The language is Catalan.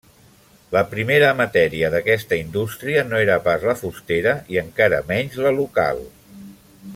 La primera matèria d'aquesta indústria no era pas la fustera, i encara menys la local.